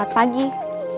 jangan kira disanti di sini